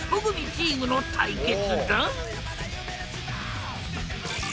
チームの対決だ！